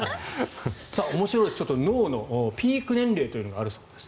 面白いです脳のピーク年齢というのがあるそうです。